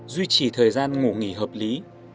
duy trì thời gian ngủ nghỉ hợp lý